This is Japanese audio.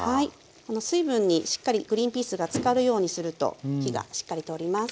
この水分にしっかりグリンピースがつかるようにすると火がしっかり通ります。